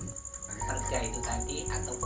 kami berpindah ke tempat ini untuk menjaga kemampuan